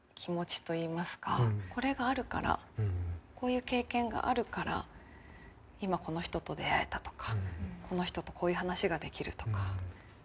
これがあるからこういう経験があるから今この人と出会えたとかこの人とこういう話ができるとか。